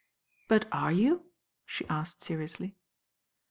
"But are you?" she asked seriously.